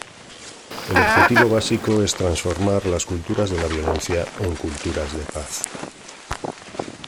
El objetivo básico es transformar las culturas de la violencia en culturas de paz.